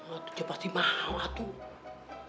itu dia pasti mau tuh